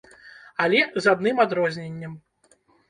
Але з адным адрозненнем.